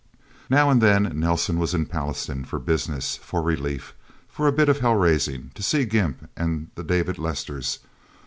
Now and then Nelsen was in Pallastown for business, for relief, for a bit of hell raising; to see Gimp and the David Lesters.